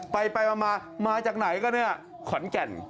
ไปไปมามาจากไหนก็เนี่ยขอนแก่น